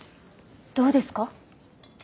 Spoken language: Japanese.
どうですか？